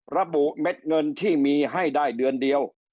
ระบุเม็ดเงินที่มีให้ได้เดือนเดียว